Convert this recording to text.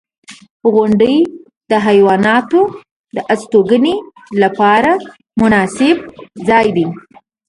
• غونډۍ د حیواناتو د استوګنې لپاره مناسب ځای دی.